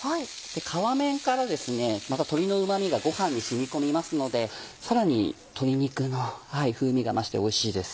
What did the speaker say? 皮面からまた鶏のうま味がごはんに染み込みますのでさらに鶏肉の風味が増しておいしいです。